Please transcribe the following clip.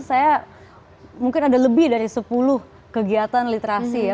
saya mungkin ada lebih dari sepuluh kegiatan literasi ya